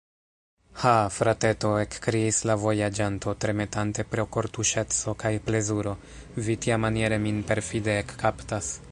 Ha! frateto, ekkriis la vojaĝanto, tremetante pro kortuŝeco kaj plezuro; vi tiamaniere min perfide ekkaptas!